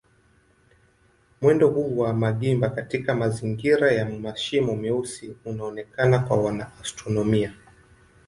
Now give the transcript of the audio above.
Mwendo huu wa magimba katika mazingira ya mashimo meusi unaonekana kwa wanaastronomia.